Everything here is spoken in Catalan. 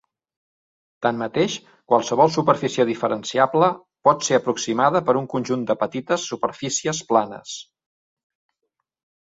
Tanmateix, qualsevol superfície diferenciable pot ser aproximada per un conjunt de petites superfícies planes.